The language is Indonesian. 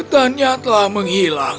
hutannya telah menghilang